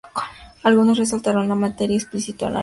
Algunos resaltaron el material explícito en la letra.